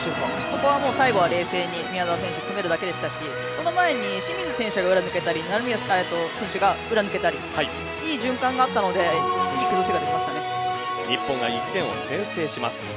ここは最後は冷静に宮澤選手、詰めるだけでしたしその前に清水選手が裏を抜けたり成宮選手などいい循環があったので日本が１点を先制します。